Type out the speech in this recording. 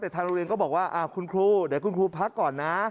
แต่ทางโรงเรียนก็บอกว่าคุณครูเดี๋ยวคุณครูพักก่อนนะ